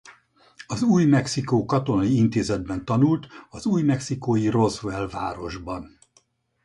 Az Új-Mexikó Katonai Intézetben tanult az új-Mexikói Roswell városban.